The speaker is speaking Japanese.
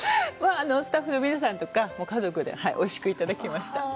スタッフの皆さんとか、家族でおいしくいただきました。